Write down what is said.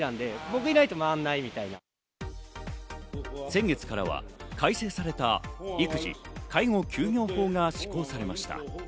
先月からは改正された育児・介護休業法が施行されました。